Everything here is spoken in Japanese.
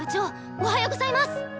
おはようございます！